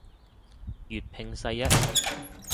粵拼世一